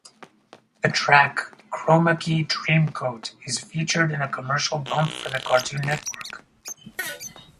The track "Chromakey Dreamcoat" is featured in a commercial bump for the Cartoon Network.